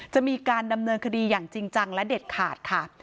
จะมีการดำเนินคดีอย่างจริงจังและเด็ดขาดค่ะ